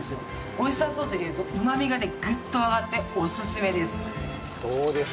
オイスターソースを入れるとうまみがねグッと上がっておすすめです。